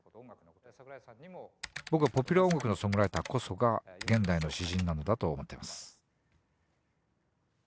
僕はポピュラー音楽のソングライターこそが現代の詩人なんだと思っています「ＴＨＥＳＯＮＧＷＲＩＴＥＲＳ」